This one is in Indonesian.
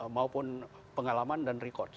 maupun pengalaman dan rekod